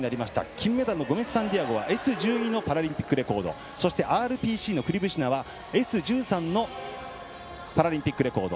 金メダルのゴメスサンティアゴはＳ１２のパラリンピックレコードそして、ＲＰＣのクリブシナはＳ１３のパラリンピックレコード。